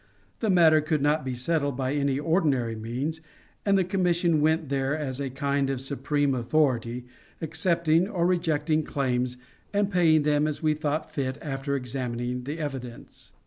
The matter could not be settled by any ordinary means, and the commission went there as a kind of supreme authority, accepting or rejecting claims and paying them as we thought fit after examining the evidence.